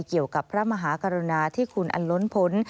เกี่ยวกับพระมหากรณาที่คุณอัลล้นพล